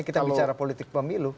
kita bicara politik pemilu